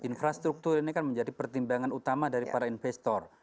infrastruktur ini kan menjadi pertimbangan utama dari para investor